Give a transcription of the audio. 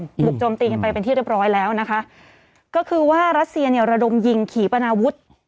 ถูกโจมตีกันไปเป็นที่เรียบร้อยแล้วนะคะก็คือว่ารัสเซียเนี่ยระดมยิงขี่ปนาวุฒิ